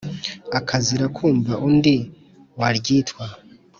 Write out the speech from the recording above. akazira kumva undi waryitwa